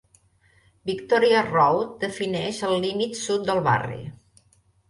Victoria Road defineix el límit sud del barri.